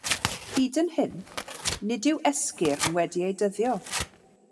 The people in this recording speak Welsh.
Hyd yn hyn, nid yw'r esgyrn wedi eu dyddio.